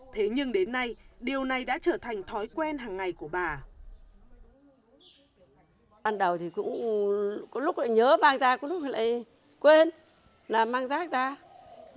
thế nhưng đến nay điều này đã trở thành thói quen